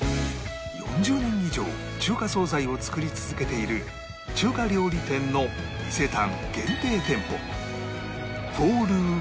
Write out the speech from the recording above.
４０年以上中華惣菜を作り続けている中華料理店の伊勢丹限定店舗